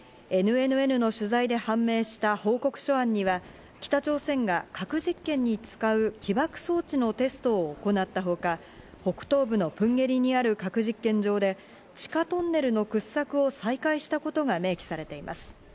ＮＮＮの取材で判明した報告書案には、北朝鮮が核実験に使う起爆装置のテストを行ったほか、北東部のプンゲリにある核実験場で地下トンネルの掘削を再開したことが明記されています。